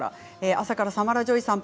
朝からサマラ・ジョイさん